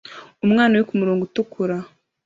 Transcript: Umwana uri kumurongo utukura